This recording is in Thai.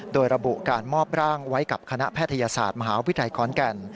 โดยระบุการมอบร่างไว้กับคณะแพทยศาสตร์มหาวิทยาลัยขอนแก่น